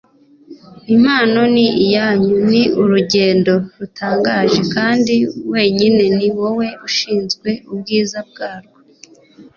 impano ni iyanyu - ni urugendo rutangaje - kandi wenyine ni wowe ushinzwe ubwiza bwarwo